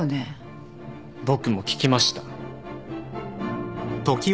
僕も聞きました。